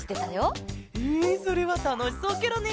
えそれはたのしそうケロね。